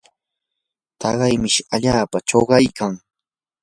taqay mishi allaapam chuqaykan.